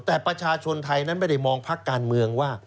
แต่ประชาชนไทยนั้นไม่ได้มองพักการเมืองว่า